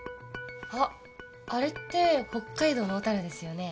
あっあれって北海道の小樽ですよね？